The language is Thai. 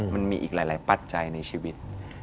มันมีอีกหลายปัจจัยในชีวิต